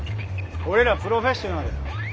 俺らプロフェッショナル。